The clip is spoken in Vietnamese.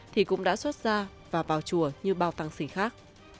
thì cũng đã xuất ra và vào chùa như bao tăng sỉ khác